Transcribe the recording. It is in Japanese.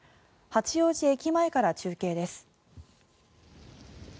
八王子駅前から中継です。